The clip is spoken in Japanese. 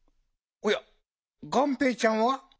おやがんぺーちゃんは？